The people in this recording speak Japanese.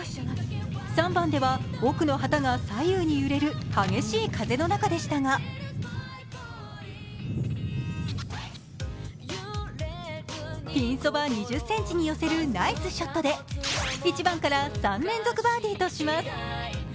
３番では奥の旗が左右に揺れる激しい風の中でしたがピンそば２０ｃｍに寄せるナイスショットで、１番から３連続バーディーとします。